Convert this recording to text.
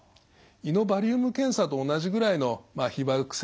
胃のバリウム検査と同じぐらいの被ばく